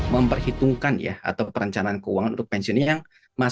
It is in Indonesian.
memperhitungkan ya atau perencanaan keuangan untuk pensiunnya yang masih minim sekali